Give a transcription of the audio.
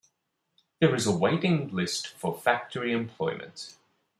There is a waiting list for factory employment.